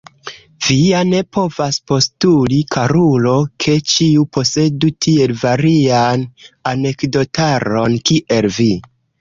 Vi ja ne povas postuli, karulo, ke ĉiu posedu tiel varian anekdotaron kiel vi!